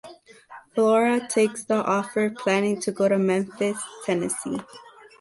Flora takes the offer, planning to go to Memphis, Tennessee.